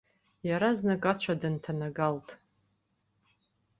Иаразнак ацәа дынҭанагалт.